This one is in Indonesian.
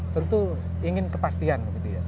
tentu ingin kepastian